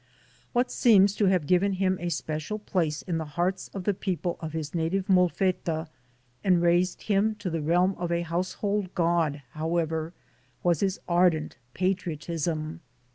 What seems to have given him a special place in the hearts of the people of his native Molfetta and raised him to the realm of a household god, however, was liis ardent patriotism.